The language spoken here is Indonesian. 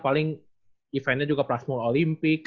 paling eventnya juga plasma olimpik